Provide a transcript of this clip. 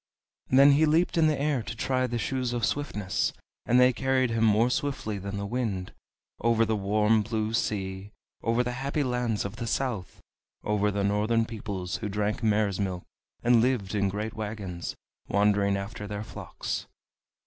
Then he leaped in the air to try the Shoes of Swiftness, and they carried him more swiftly than the wind, over the warm blue sea, over the happy lands of the south, over the northern peoples who drank mare's milk and lived in great wagons, wandering after their flocks.